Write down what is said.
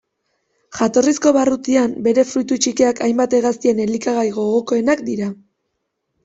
Jatorrizko barrutian, bere fruitu txikiak hainbat hegaztien elikagai gogokoenak dira.